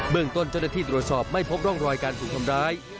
เมืองต้นเจ้าหน้าที่ตรวจสอบไม่พบร่องรอยการถูกทำร้าย